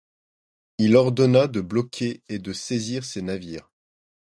Il ordonna de bloquer et de saisir ses navires.